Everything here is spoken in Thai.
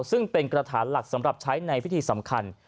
ซึ่งเป็นกระถานหลักสำหรับใช้ในพิธีสำคัญ